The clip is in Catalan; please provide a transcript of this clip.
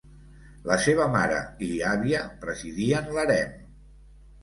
La seva mare i àvia presidien l'harem.